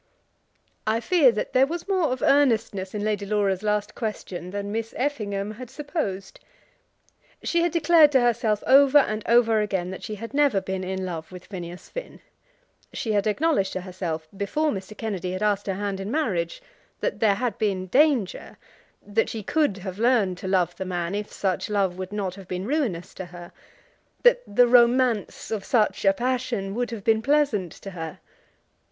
I fear that there was more of earnestness in Lady Laura's last question than Miss Effingham had supposed. She had declared to herself over and over again that she had never been in love with Phineas Finn. She had acknowledged to herself, before Mr. Kennedy had asked her hand in marriage, that there had been danger, that she could have learned to love the man if such love would not have been ruinous to her, that the romance of such a passion would have been pleasant to her.